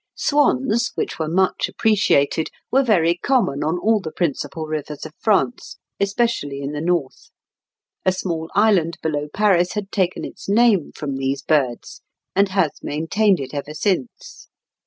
Swans, which were much appreciated, were very common on all the principal rivers of France, especially in the north; a small island below Paris had taken its name from these birds, and has maintained it ever since.